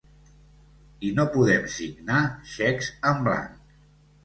I no podem signar xecs en blanc.